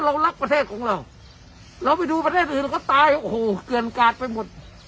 เรารักประเทศของเราเราไปดูประเทศอื่นก็ตายโอ้โหเกือนกาดไปหมด